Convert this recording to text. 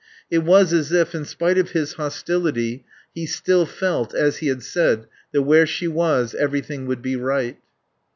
It was as if, in spite of his hostility, he still felt, as he had said, that where she was everything would be right.